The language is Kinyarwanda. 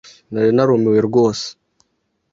Nari narumiwe rwose.